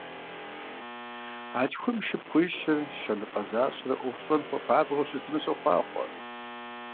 А тхум и шыпхъуищыр щэныфӀэ защӀэрэ Ӏуэху щӀэн хуэпабгъэу щытыну сохъуахъуэ!